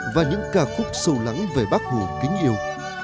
và những ca khúc sâu lắng về bác hồ kính yêu